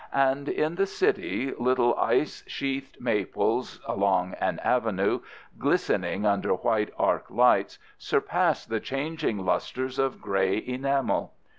And in the city little ice sheathed maples along an avenue, glistening under white arc lights, surpass the changing lusters of gray enamel.